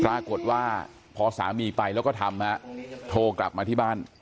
ปรากฏว่าพอสามีไปแล้วก็ทำโทรกลับมาที่บ้าน